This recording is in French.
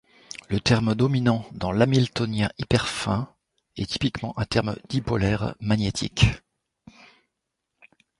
Le terme dominant dans l’hamiltonien hyperfin est typiquement un terme dipolaire magnétique.